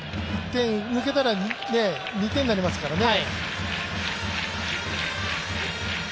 １点抜けたら２点になりますからね。